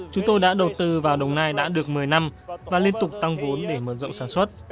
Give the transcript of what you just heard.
chúng tôi đã đầu tư vào đồng nai đã được một mươi năm và liên tục tăng vốn để mở rộng sản xuất